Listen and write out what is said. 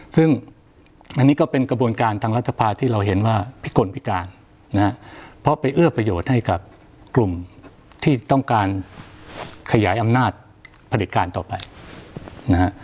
ซึ่งอันนี้ก็เป็นกระบวนการทางรัฐสภาที่เราเห็นว่าพิกลพิการนะฮะเพราะไปเอื้อประโยชน์ให้กับกลุ่มที่ต้องการขยายอำนาจผลิตการต่อไปนะฮะ